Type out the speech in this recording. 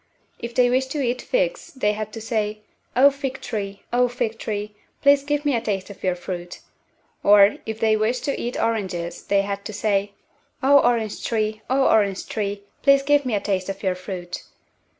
If they wished to eat figs they had to say, "O, fig tree, O, fig tree, please give me a taste of your fruit;" or, if they wished to eat oranges they had to say, "O, orange tree, O, orange tree, please give me a taste of your fruit."